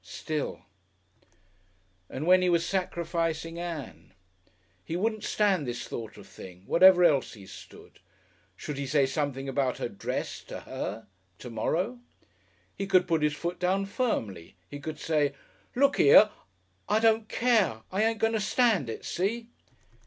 Still And when he was sacrificing Ann! He wouldn't stand this sort of thing, whatever else he stood.... Should he say something about her dress to her to morrow? He could put his foot down firmly. He could say, "Look 'ere. I don't care. I ain't going to stand it. See?"